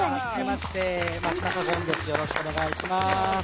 よろしくお願いします。